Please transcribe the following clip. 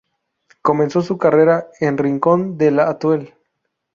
Comenzó su carrera en Rincón del Atuel.